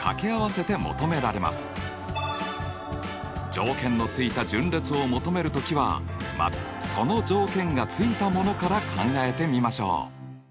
条件のついた順列を求める時はまずその条件がついたものから考えてみましょう。